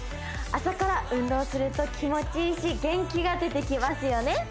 朝から運動すると気持ちいいし元気が出てきますよね